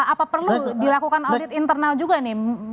apa perlu dilakukan audit internal juga nih